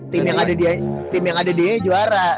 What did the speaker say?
tim yang ada dia juara